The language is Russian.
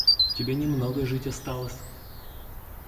Тебе не много жить осталось.